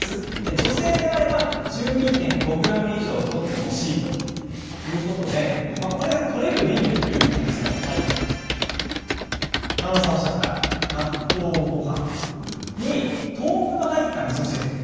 女性であれば１２．５ｇ以上とってほしいということでこれがとれるメニューというのが華丸さんがおっしゃった納豆ごはんに豆腐の入った、みそ汁。